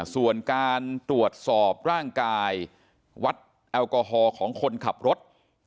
ส่วนการตรวจสอบร่างกายวัดแอลกอฮอล์ของคนขับรถ